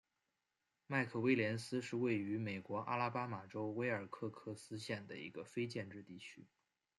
麦克威廉斯是位于美国阿拉巴马州威尔科克斯县的一个非建制地区。